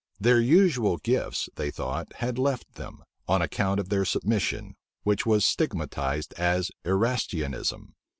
Their usual gifts, they thought, had left them, on account of their submission, which was stigmatized as Erastianism.